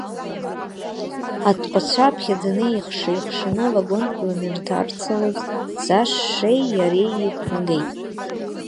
Аҭҟәа-цәа ԥхьаӡаны еихша-еихшаны авагонқәа ианырҭарцалоз, Са-шеи иареи еиҟәнагеит.